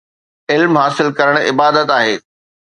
علم حاصل ڪرڻ عبادت آهي